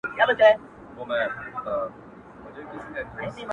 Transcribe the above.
زما په مرگ دي خوشالي زاهدان هيڅ نکوي ـ